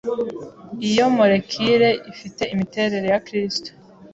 Iyi molekile ifite imiterere ya kristu.